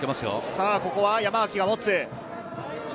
ここは山脇が持つ。